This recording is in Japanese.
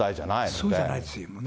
そうじゃないですよね。